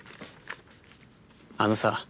あのさ。